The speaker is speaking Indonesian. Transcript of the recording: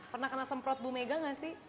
pernah kena semprot bu mega gak sih